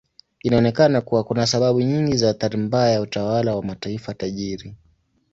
Inaonekana kuwa kuna sababu nyingi za athari mbaya ya utawala wa mataifa tajiri.